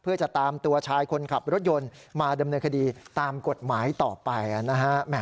เพื่อจะตามตัวชายคนขับรถยนต์มาดำเนินคดีตามกฎหมายต่อไปนะฮะ